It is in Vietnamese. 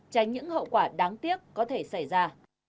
tránh những hậu quả đáng tiếc có thể xảy ra